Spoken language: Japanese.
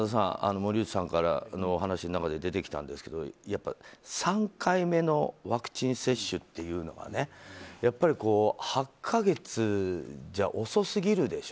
山田さん、森内さんの話の中で出てきたんですけど３回目のワクチン接種というのが８か月じゃ遅すぎるでしょ。